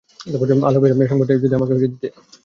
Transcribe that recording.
আল্লাহর কসম, এ সংবাদটি যদি আমাকে দিতে!